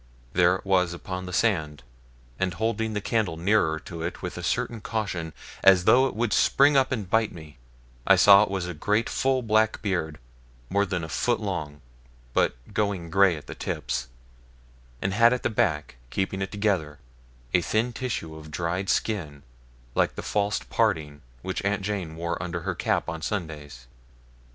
There it was upon the sand, and holding the candle nearer to it with a certain caution, as though it would spring up and bite me, I saw it was a great full black beard, more than a foot long, but going grey at the tips; and had at the back, keeping it together, a thin tissue of dried skin, like the false parting which Aunt Jane wore under her cap on Sundays.